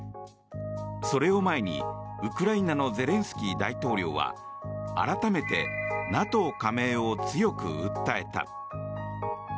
それを前に、ウクライナのゼレンスキー大統領は改めてＮＡＴＯ加盟を強く訴えた。